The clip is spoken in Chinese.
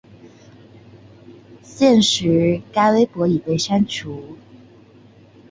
现时该微博已被删除。